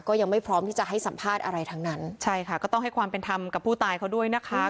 ก็ยังไม่พร้อมที่จะให้สัมภาษณ์อะไรทั้งนั้นใช่ค่ะก็ต้องให้ความเป็นธรรมกับผู้ตายเขาด้วยนะคะ